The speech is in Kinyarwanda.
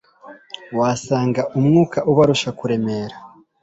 wasanga umwuka ubarusha kuremera